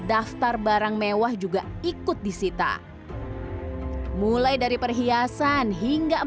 daftar barang mewah juga ikut disita mulai dari perhiasan hingga empat belas jam